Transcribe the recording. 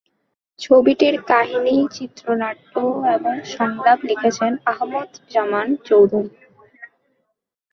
ছবিটির কাহিনী, চিত্রনাট্য এবং সংলাপ লিখেছেন আহমদ জামান চৌধুরী।